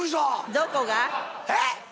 どこが？えっ！？